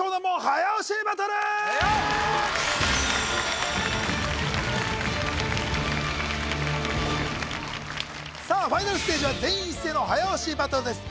はいよっさあファイナルステージは全員一斉の早押しバトルです